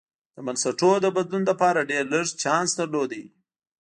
د بنسټونو د بدلون لپاره ډېر لږ چانس درلود.